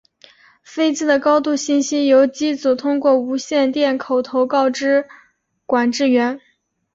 飞机的高度信息由机组通过无线电口头告知管制员。